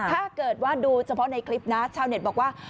ถ้าเกิดว่าดูเฉพาะในคลิปนะชาวเน็ตบอกว่า